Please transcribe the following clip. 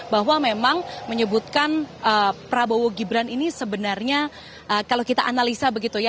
bahwa memang menyebutkan prabowo gibran ini sebenarnya kalau kita analisa begitu ya